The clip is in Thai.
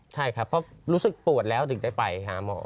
ใช่ครับเพราะรู้สึกปวดแล้วถึงได้ไปหาหมอ